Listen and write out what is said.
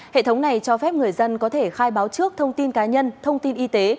hệ thống này cho phép người dân có thể khai báo trước thông tin cá nhân thông tin y tế